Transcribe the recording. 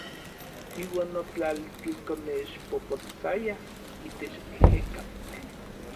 Iuan otlaltlikonexpopotsayaj itech ejekatl.